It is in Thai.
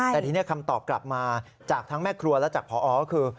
แต่ทีนี้คำตอบกลับมาจากทั้งแม่ครัวและจากพอก็คือ